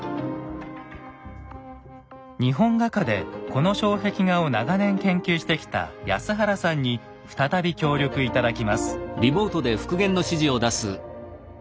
日本画家でこの障壁画を長年研究してきた安原さんに再び協力頂きます。